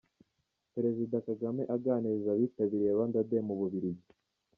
Perezida Kagame aganiriza abitabiriye Rwanda Day mu Bubiligi.